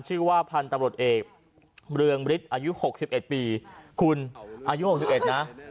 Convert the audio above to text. ชื่อว่าพันธุ์ตำรวจเอกเรืองบริษย์อายุหกสิบเอ็ดปีคุณอายุหกสิบเอ็ดนะ